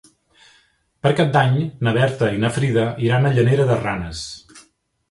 Per Cap d'Any na Berta i na Frida iran a Llanera de Ranes.